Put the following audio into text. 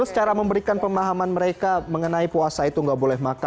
terus cara memberikan pemahaman mereka mengenai puasa itu nggak boleh makan